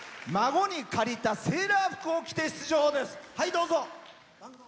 孫に借りたセーラー服を着て出場です。